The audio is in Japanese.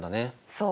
そう。